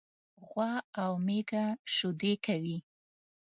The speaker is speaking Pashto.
غوا او میږه شيدي کوي.